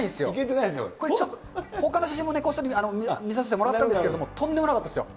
ちょっとほかの写真もこっそり見させてもらったんですけれども、とんでもなかったですよ。